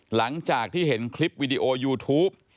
หลังจากที่เห็นคลิปวิดีโอยูทูป